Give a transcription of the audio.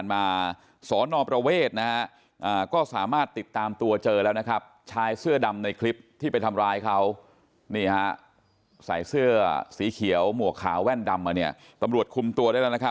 เขายังไม่รู้ว่าป้าเป็นคนห้ามไม่ใช่ป้ามาทะเลาะกับเขา